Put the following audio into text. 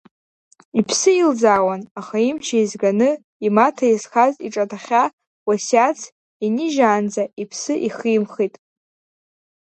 Иԥсы илӡаауан, аха, имч еизганы, имаҭа изхаз иҿаҭахьа уасиаҭс инижьаанӡа, иԥсы ихимхит.